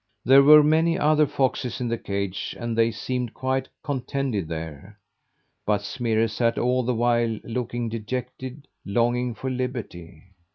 There were many other foxes in the cage; and they seemed quite contented there, but Smirre sat all the while looking dejected, longing for liberty.